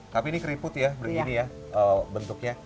tapi ini keriput ya begini ya bentuknya